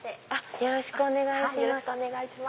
よろしくお願いします。